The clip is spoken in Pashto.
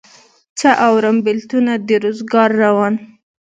څه اورم بېلتونه د روزګار روان